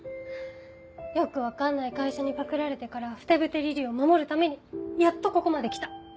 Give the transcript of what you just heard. よく分かんない会社にパクられてから「ふてぶてリリイ」を守るためにやっとここまできた。